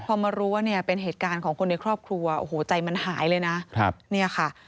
พอมารู้ว่าเป็นเหตุการณ์ของคนในครอบครัวใจมันหายเลยนะ